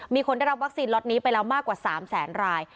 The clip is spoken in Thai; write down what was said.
มีคนได้รับวัคซีนล็อตนี้ไปแล้วมากกว่า๓แสนราย